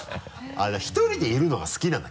あっ１人でいるのが好きなんだ？